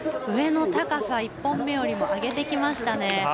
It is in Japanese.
上の高さ、１本目よりも上げてきましたね。